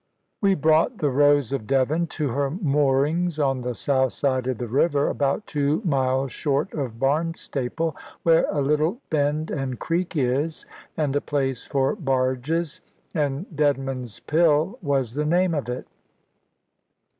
We brought the Rose of Devon to her moorings on the south side of the river, about two miles short of Barnstaple, where a little bend and creek is, and a place for barges, and "Deadman's Pill" was the name of it.